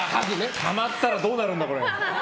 たまったらどうなるんだ？